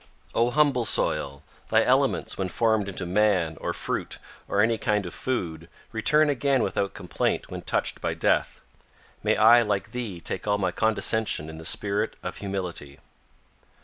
"O humble soil! Thy elements, when formed into man, or fruit, or any kind of food, return again without complaint when touched by death. May I, like thee, take all my condescension in the spirit of humility.